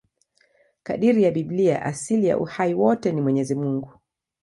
Kadiri ya Biblia, asili ya uhai wote ni Mwenyezi Mungu.